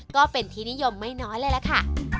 ก็เป็นที่นิยมไม่น้อยเลยล่ะค่ะ